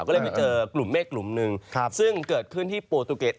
ก็เลยไปเจอกลุ่มเมฆกลุ่มหนึ่งซึ่งเกิดขึ้นที่โปรตูเกต